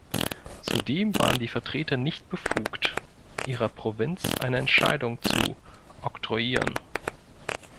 Zudem waren die Vertreter nicht befugt, ihrer Provinz eine Entscheidung zu oktroyieren.